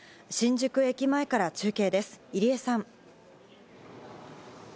新宿駅前から中継です、入江さん。